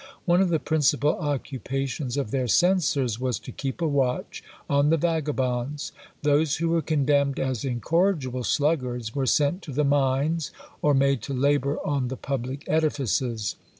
One of the principal occupations of their censors was to keep a watch on the vagabonds. Those who were condemned as incorrigible sluggards were sent to the mines, or made to labour on the public edifices.